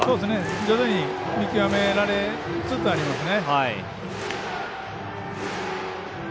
徐々に見極められつつありますね。